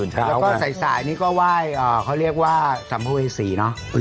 ใช่ครับ